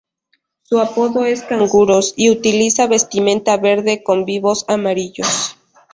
Su apodo es "Canguros", y utiliza vestimenta verde con vivos amarillos.